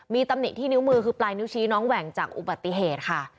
มีตำหนิที่นิ้วมือคือปลายนิ้วชี้น้องแหว่งจากอุบัติเหตุค่ะ